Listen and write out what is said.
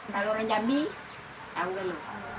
kaloran jambi tahu dulu